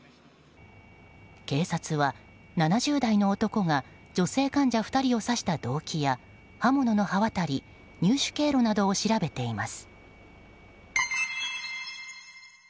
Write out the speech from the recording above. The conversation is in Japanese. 警察は、７０代の男が女性患者２人を刺した動機や刃物の刃渡り入手経路などを調べています。